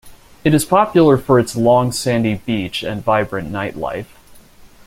It is popular for its long sandy beach and vibrant nightlife.